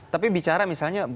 tapi bicara misalnya